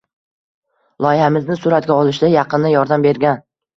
Loyihamizni suratga olishda yaqindan yordam bergan